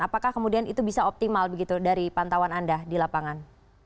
apakah kemudian itu bisa optimal begitu dari pantauan anda di lapangan